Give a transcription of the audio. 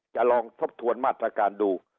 ลองทบทวนมาตรการดู